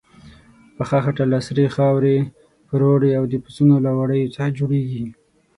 پخه خټه له سرې خاورې، پروړې او د پسونو له وړیو څخه جوړیږي.